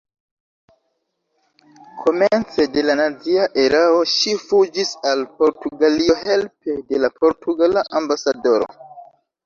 Komence de la nazia erao ŝi fuĝis al Portugalio helpe de la portugala ambasadoro.